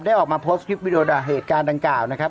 ออกมาโพสต์คลิปวิดีโอด่าเหตุการณ์ดังกล่าวนะครับ